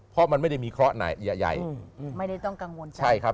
เพราะมันไม่ได้มีเคราะห์ไหนใหญ่อืมไม่ได้ต้องกังวลใช่ครับ